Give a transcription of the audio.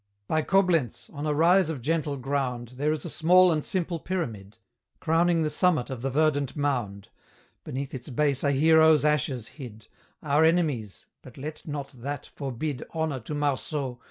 By Coblentz, on a rise of gentle ground, There is a small and simple pyramid, Crowning the summit of the verdant mound; Beneath its base are heroes' ashes hid, Our enemy's, but let not that forbid Honour to Marceau!